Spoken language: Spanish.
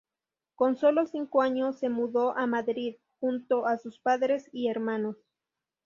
Con solo cinco años se mudó a Madrid junto a sus padres y hermanos.